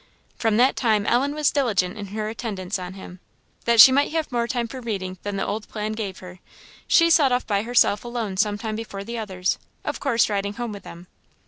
From that time Ellen was diligent in her attendance on him. That she might have more time for reading than the old plan gave her, she set off by herself alone some time before the others, of course riding home with them.